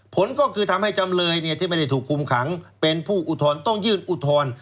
ผลก็คือทำให้จำเลยที่ไม่ได้ถูกคุมขังเป็นผู้อุทธรณ์ต้องยื่นอุทธรณ์